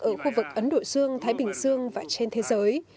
ở khu vực ấn độ dương thái bình dương và trên thế giới